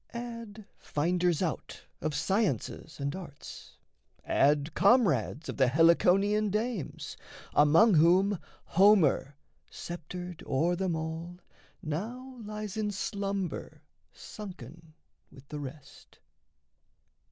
Add finders out of sciences and arts; Add comrades of the Heliconian dames, Among whom Homer, sceptered o'er them all, Now lies in slumber sunken with the rest.